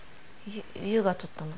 ゆ優が撮ったの？